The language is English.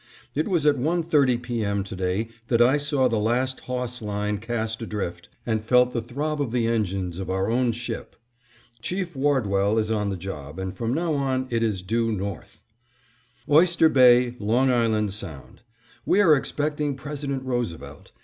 It was at one thirty P. M. to day that I saw the last hawse line cast adrift, and felt the throb of the engines of our own ship. Chief Wardwell is on the job, and from now on it is due north. Oyster Bay, Long Island Sound: We are expecting President Roosevelt.